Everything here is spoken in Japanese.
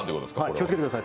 気をつけてください。